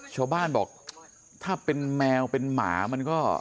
ชาวบ้านบอกถ้าเป็นแมวเป็นหมามันก็